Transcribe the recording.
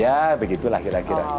ya begitulah kira kira